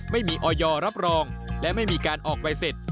ไม่มีออยรับรองและไม่มีการออกใบเสร็จ